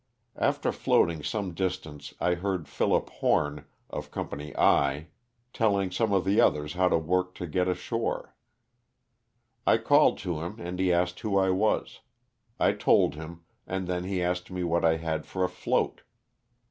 After floating some distance I heard Phillip Home, of Company I, telling some of the others how to work to get ashore. I called to him and he asked who I was. I told him, and then he asked me what I had for a float.